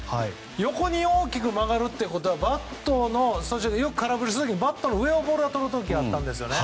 横に大きく曲がるということはバットの上をボールが通る時があったんですよね。